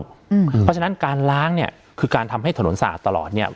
เพราะฉะนั้นการล้างเนี่ยคือการทำให้ถนนสะอาดตลอดเนี่ย